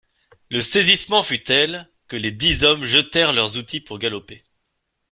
Le saisissement fut tel, que les dix hommes jetèrent leurs outils pour galoper.